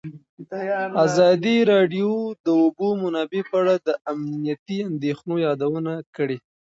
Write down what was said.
ازادي راډیو د د اوبو منابع په اړه د امنیتي اندېښنو یادونه کړې.